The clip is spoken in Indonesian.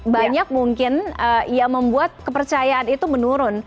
banyak mungkin yang membuat kepercayaan itu menurun